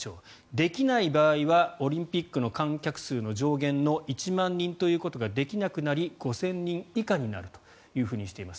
できない場合はオリンピックの観客数の上限の１万人ということができなくなり５０００人以下になるとしています。